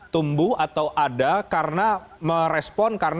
tumbuh atau ada karena merespon